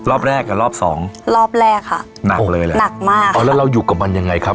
รอบแรกกับรอบสองรอบแรกค่ะหนักเลยแหละหนักมากอ๋อแล้วเราอยู่กับมันยังไงครับ